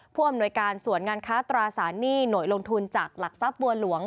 ผู้อำนวยการสวนงานค้าตราสารหนี้หน่วยลงทุนจากหลักทรัพย์บัวหลวง